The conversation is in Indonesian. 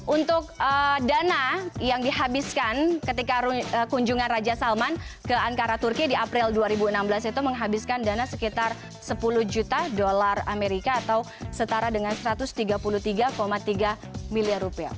untuk dana yang dihabiskan ketika kunjungan raja salman ke ankara turki di april dua ribu enam belas itu menghabiskan dana sekitar sepuluh juta dolar amerika atau setara dengan satu ratus tiga puluh tiga tiga miliar rupiah